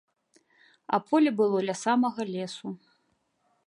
А поле было ля самага лесу.